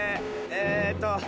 えっと。